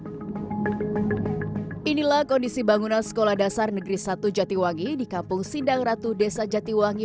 hai inilah kondisi bangunan sekolah dasar negeri satu jatiwangi di kampung sindang ratu desa jatiwangi